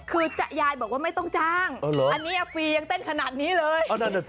คือยายบอกว่าไม่ต้องจ้างอันนี้ฟรียังเต้นขนาดนี้เลย